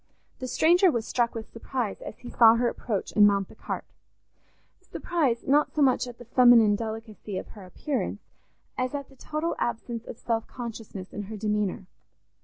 The stranger was struck with surprise as he saw her approach and mount the cart—surprise, not so much at the feminine delicacy of her appearance, as at the total absence of self consciousness in her demeanour.